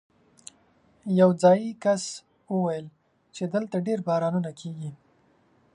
یو ځايي کس وویل چې دلته ډېر بارانونه کېږي.